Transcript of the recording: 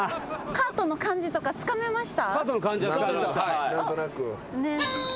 カートの感じはつかめました。